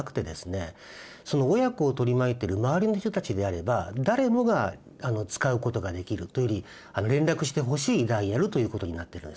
その親子を取り巻いてる周りの人たちであれば誰もが使うことができるというより連絡してほしいダイヤルということになっているんですね。